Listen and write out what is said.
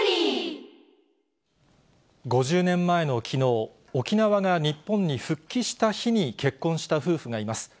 ５０年前のきのう、沖縄が日本に復帰した日に結婚した夫婦がいます。